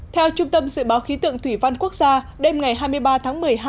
theo trung tâm dự báo khí tượng thủy văn quốc gia đêm ngày hai mươi ba tháng một mươi hai